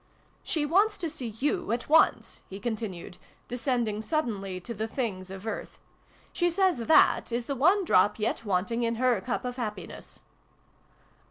" She wants to see you at once," he continued, descending suddenly to the things of earth. "She says that is the one drop yet wanting in her cup of happiness !" vi] WILLIE'S WIFE.